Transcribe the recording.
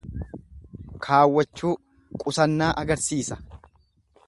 Kaawwachuu, qusannaa argisiisa.